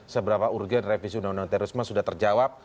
seberapa urgen revisi undang undang terorisme sudah terjawab